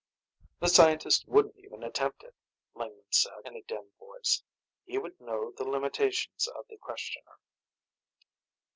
"The scientist wouldn't even attempt it," Lingman said, in a dim voice; "he would know the limitations of the questioner."